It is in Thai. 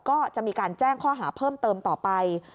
ก็จะมีการแจ้งข้อหาเพิ่มเติมต่อไป